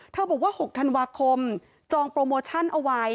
บอกว่า๖ธันวาคมจองโปรโมชั่นเอาไว้